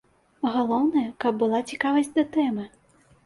Галоўнае, каб была цікавасць да тэмы.